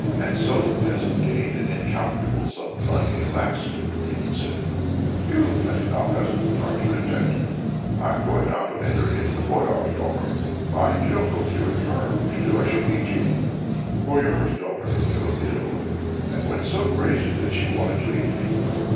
And so the peasant gained an incalculable sum of money. At last the demon said: "You've plenty now, peasant; arn't you content? I'm going now to enter into the Boyar's daughter. Mind you don't go curing her. If you do, I shall eat you." The Boyar's daughter fell ill, and went so crazy that she wanted to eat people.